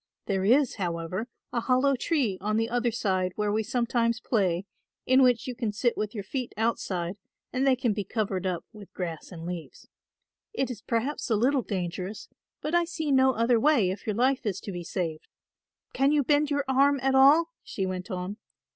There is, however, a hollow tree on the other side where we sometimes play, in which you can sit with your feet outside and they can be covered up with grass and leaves. It is perhaps a little dangerous but I see no other way if your life is to be saved. Can you bend your arm at all?" she went on.